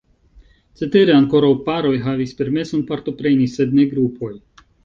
Cetere ankoraŭ paroj havis permeson partopreni sed ne grupoj.